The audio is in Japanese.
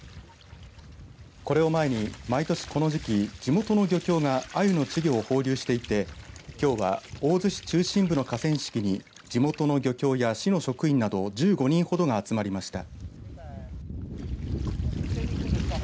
これを前に、毎年この時期地元の漁協があゆの稚魚を放流していてきょうは大洲市中心部の河川敷に地元の漁協や市の職員など１５人ほどが集まりました。